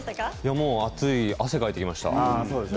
もう暑い汗をかいてきました。